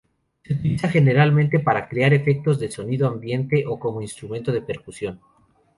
Se utiliza generalmente para crear efectos de sonido ambiente o como instrumento de percusión.